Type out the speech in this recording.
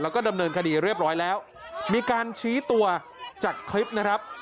แล้วก็ดำเนินคดีเรียบร้อยแล้วมีการชี้ตัวจากคลิปนะครับ